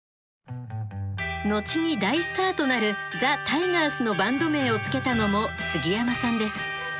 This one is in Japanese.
後に大スターとなるザ・タイガースのバンド名を付けたのもすぎやまさんです。